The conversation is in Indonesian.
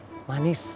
biar hidup lo manis ya